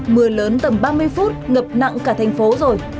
mưa lớn tầm ba mươi phút ngập nặng cả thành phố rồi